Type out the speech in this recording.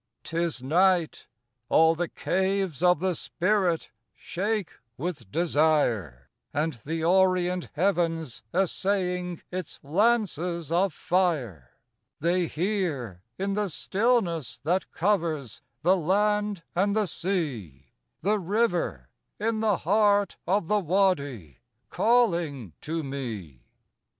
'T is Night; all the Caves of the Spirit Shake with desire, And the Orient Heaven 's essaying Its lances of fire; They hear, in the stillness that covers The land and the sea, The River, in the heart of the Wadi, Calling to me.